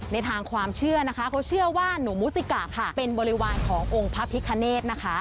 ในทางความเชื่อนะคะเขาเชื่อว่าหนูมูซิกะค่ะเป็นบริวารขององค์พระพิคเนธนะคะ